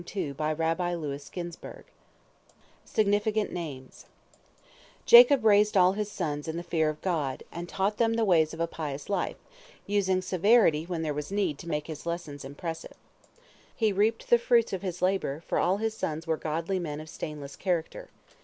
II THE SONS OF JACOB SIGNIFICANT NAMES Jacob raised all his sons in the fear of God, and taught them the ways of a pious life, using severity when there was need to make his lessons impressive. He reaped the fruits of his labor, for all his sons were godly men of stainless character.